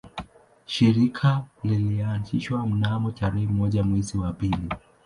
Shirika lilianzishwa mnamo tarehe moja mwezi wa pili